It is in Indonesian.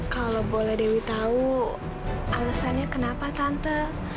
kalau boleh dewi tahu alasannya kenapa tante